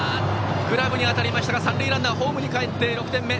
グラブに当たりましたが三塁ランナーはホームにかえって６点目。